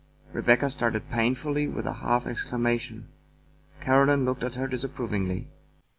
Rebecca started painfully with a half exclamation. Caroline looked at her disapprovingly.